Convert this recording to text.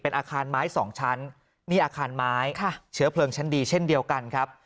อาคารไม้สองชั้นนี่อาคารไม้เชื้อเพลิงชั้นดีเช่นเดียวกันครับ